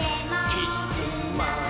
いつまでも。